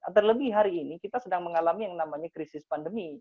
terlebih hari ini kita sedang mengalami yang namanya krisis pandemi